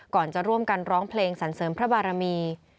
ก่อนจะร่วมกันร้องเพลงสรรเสริมพระบารมี